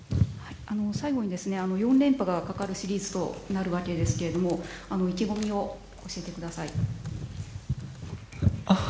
最後に、４連覇がかかるシリーズとなるわけですが意気込みを教えてください。